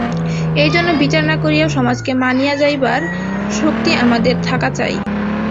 এইজন্য বিচার না করিয়াও সমাজকে মানিয়া যাইবার শক্তি আমাদের থাকা চাই।